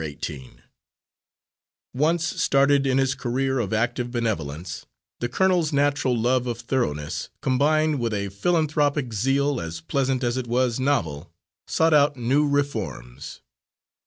Eighteen Once started in his career of active benevolence, the colonel's natural love of thoroughness, combined with a philanthropic zeal as pleasant as it was novel, sought out new reforms.